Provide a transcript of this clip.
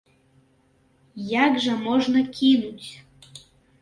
Як жа можна кінуць!